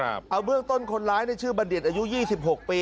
เอาเบื้องต้นคนร้ายชื่อบัณฑิตอายุ๒๖ปี